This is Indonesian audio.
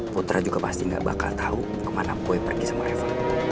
putra juga pasti ga bakal tau kemana boy pergi sama reva